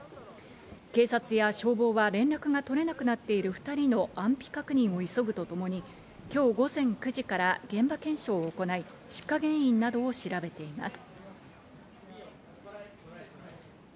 警察や消防は連絡が取れなくなっている２人の安否確認を急ぐとともに、今日午前９時から現場検証を行い、出火原因などを調べています。